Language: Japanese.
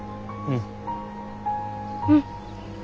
うん。